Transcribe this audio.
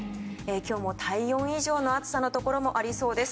今日も体温以上の暑さのところもありそうです。